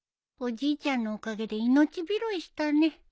おじいちゃんのおかげで命拾いしたね